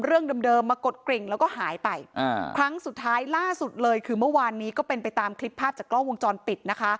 เรื่องเดิมมากดกริ่งแล้วก็หายไปอ่าครั้งสุดท้ายล่าสุดเลยคือเมื่อวานนี้ก็เป็นไปตามคลิปภาพจากกล้องวงจรปิดนะคะ